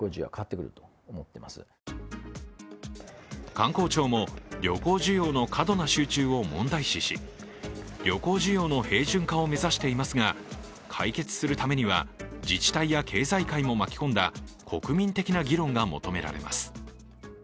観光庁も旅行需要の過度な集中を問題視し、旅行需要の平準化を目指していますが解決するためには自治体や経済界も巻き込んだ国民的な議論が求められます。